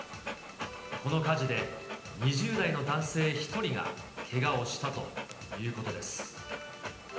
この火事で、２０代の男性１人がけがをしたということです。